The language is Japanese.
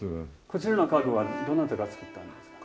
こちらの家具はどなたが作ったんですか？